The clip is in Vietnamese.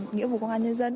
nghĩa vụ công an nhân dân